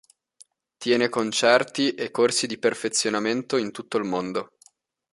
Tiene concerti e corsi di perfezionamento in tutto il mondo.